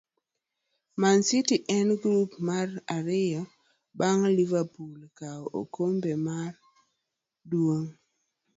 Mancity en grup mara ariyo bang' Liverpool kawo okombe mar duong'